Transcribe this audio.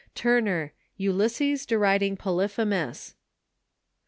Turner: "Ulysses deriding Polyphemus."